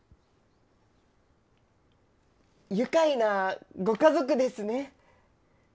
愉快なご家族ですね。